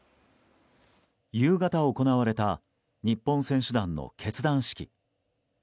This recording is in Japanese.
夕方行われた日本選手団の結団式。